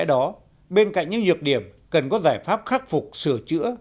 vì lẽ đó bên cạnh những nhược điểm cần có giải pháp khắc phục sửa chữa